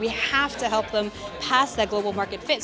kita harus membantu mereka melalui fitur pasar global itu